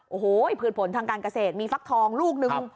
โอ้โหพืชผลทางการเกษตรมีฟักทองลูกนึง